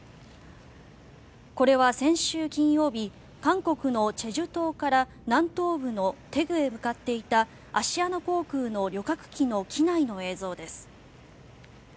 これは先週金曜日韓国の済州島から南東部の大邱へ向かっていたアシアナ航空の旅客機の機内の映像です。